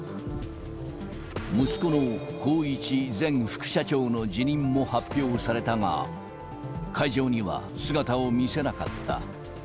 息子の宏一前副社長の辞任も発表されたが、会場には姿を見せなかった。